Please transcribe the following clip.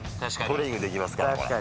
トレーニングできますから。